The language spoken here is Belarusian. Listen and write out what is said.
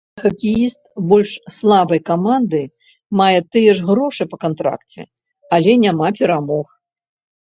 А хакеіст больш слабай каманды мае тыя ж грошы па кантракце, але няма перамог.